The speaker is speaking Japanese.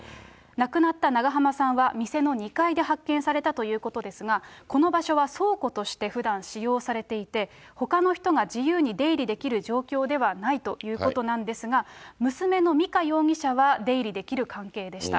亡くなった長濱さんは、店の２階で発見されたということですが、この場所は倉庫としてふだん使用されていて、ほかの人が自由に出入りできる状況ではないということなんですが、娘の美香容疑者は出入りできる関係でした。